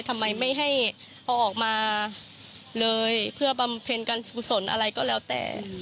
ทำไมไม่ให้เอาออกมาเลยเพื่อบำเพ็ญการกุศลอะไรก็แล้วแต่